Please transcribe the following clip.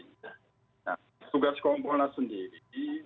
nah tugas kompolas sendiri